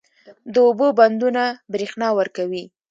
د اوبو بندونه برښنا ورکوي